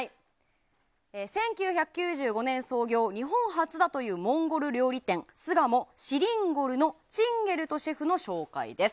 １９９５年創業、日本初だというモンゴル料理店巣鴨シリンゴルのチンゲルトシェフの紹介です。